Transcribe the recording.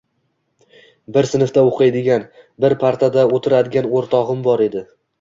Bir sinfda o‘qiydigan, bir partada o‘tiradigan o‘rtog‘im bor edi.